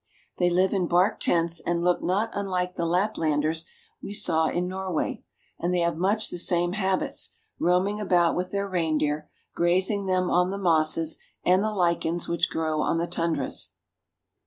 They live in bark tents and look not unlike the Laplanders we saw in Norway, and they have much the same habits, roaming about with their reindeer, grazing them on the mosses and the lichens which grow on the tundras.